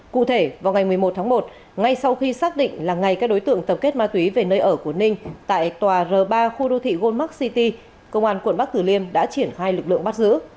cụ thể vào ngày một mươi một tháng một ngay sau khi xác định là ngày các đối tượng tập kết ma túy về nơi ở của ninh tại tòa r ba khu đô thị goldmark city công an quận bắc tử liêm đã triển khai lực lượng bắt giữ